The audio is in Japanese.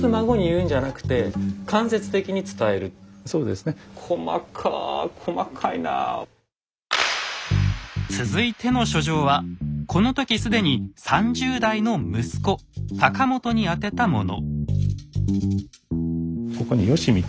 しかもそれは続いての書状はこの時既に３０代の息子隆元に宛てたもの。